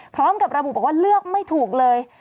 พร้อมกับระบุบอกว่าเลือกไม่ถูกเลย